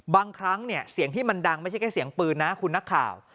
บางครั้งเนี่ยเสียงที่มันดังไม่ใช่แค่เสียงปืนนะคุณนักข่าว